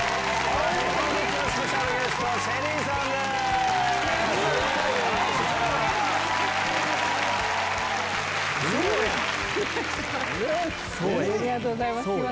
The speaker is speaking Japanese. ありがとうございます。